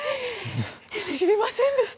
知りませんでした。